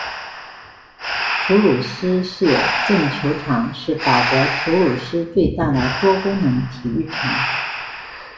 土鲁斯市政球场是法国土鲁斯最大的多功能体育场。